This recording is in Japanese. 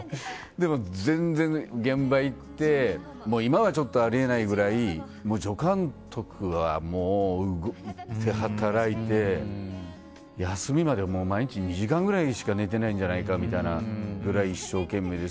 でも全然、現場行って今はちょっとありえないくらい助監督は動いて働いて休みまで毎日、２時間くらいしか寝てないんじゃないかくらい一生懸命で。